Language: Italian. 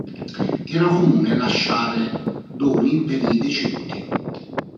Era comune lasciare doni per i deceduti.